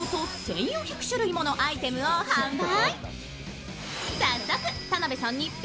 雑貨や食器などおよそ１４００種類ものアイテムを販売。